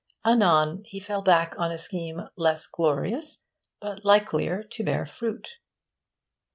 Anon he fell back on a scheme less glorious but likelier to bear fruit.